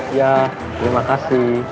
iya terima kasih